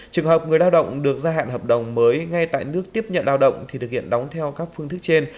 trường hợp người lao động được gia hạn hợp đồng mới ngay tại nước tiếp nhận lao động thì thực hiện đóng theo các phương thức trên